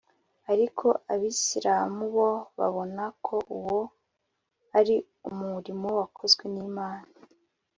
ariko abisilamu bo babona ko uwo ari umurimo wakozwe n’imana